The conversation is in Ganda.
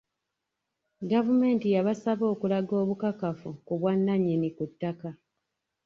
Gavumenti yabasaba okulaga obukakafu ku bwannannyini ku ttaka.